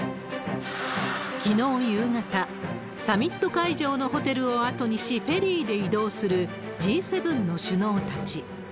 きのう夕方、サミット会場のホテルを後にし、フェリーで移動するＧ７の首脳たち。